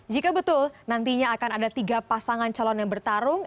jika betul nantinya akan ada tiga pasangan calon yang bertarung